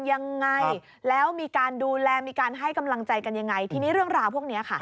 ยังไงแล้วมีการดูแลมีการให้กำลังใจกันยังไงทีนี้เรื่องราวพวกนี้ค่ะ